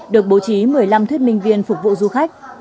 được bố trí một mươi năm thuyết minh viên phục vụ du khách